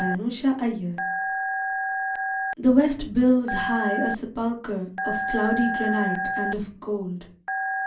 THE DEAD DAY The West builds high a sepulchre Of cloudy granite and of gold.